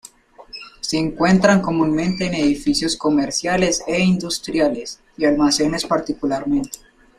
Se encuentran comúnmente en edificios comerciales e industriales, y almacenes particularmente.